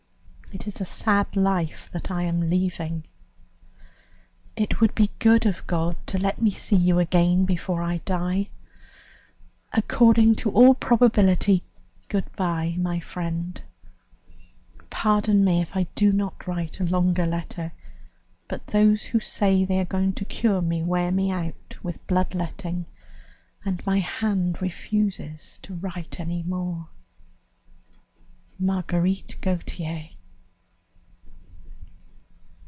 "It is a sad life that I am leaving! "It would be good of God to let me see you again before I die. According to all probability, good bye, my friend. Pardon me if I do not write a longer letter, but those who say they are going to cure me wear me out with bloodletting, and my hand refuses to write any more. "MARGUERITE GAUTIER."